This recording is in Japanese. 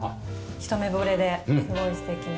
一目ぼれですごい素敵な。